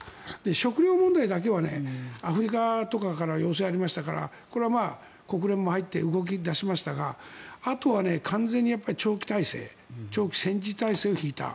食料問題だけはアフリカとかから要請がありましたからこれは国連も入って動き出しましたがあとは完全に長期体制長期戦時体制を敷いた。